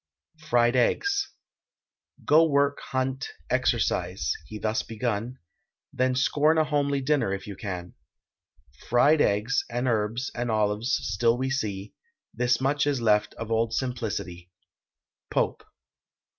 FRIED EGGS. Go work, hunt, exercise (he thus begun), Then scorn a homely dinner if you can; Fried eggs, and herbs, and olives, still we see: This much is left of old simplicity. POPE.